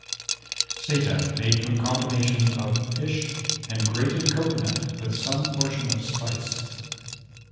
Sata made from combination of fish and grated coconut, with some portion of spice.